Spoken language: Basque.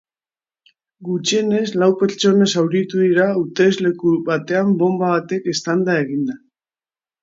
Gutxienez lau pertsona zauritu dira hautesleku batean bonba batek eztanda eginda.